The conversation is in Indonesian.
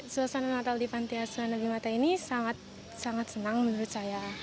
suasana natal di panti asuhan abimata ini sangat senang menurut saya